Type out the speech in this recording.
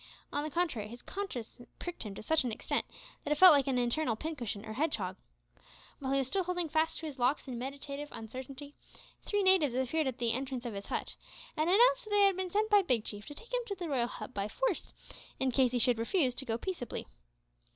On the contrary, his conscience pricked him to such an extent that it felt like an internal pin cushion or hedgehog. While he was still holding fast to his locks in meditative uncertainty, three natives appeared at the entrance of his hut, and announced that they had been sent by Big Chief to take him to the royal hut by force, in case he should refuse to go peaceably.